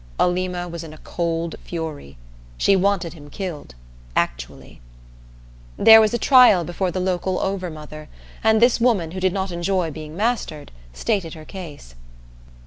Alima was in a cold fury. She wanted him killed actually. There was a trial before the local Over Mother, and this woman, who did not enjoy being mastered, stated her case.